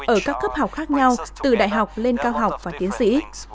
ở các cấp học khác nhau từ đại học lên cao học và tiến sĩ